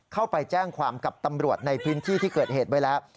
เข้าไปแจ้งความกับตำรวจในพื้นที่ที่เกิดเหตุไว้แล้ว